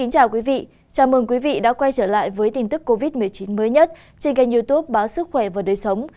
chào mừng quý vị đã quay trở lại với tin tức covid một mươi chín mới nhất trên kênh youtube báo sức khỏe và đời sống